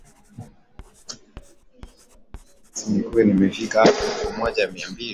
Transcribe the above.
na kukushababisha zaidi ya watu mia tano kupoteza maisha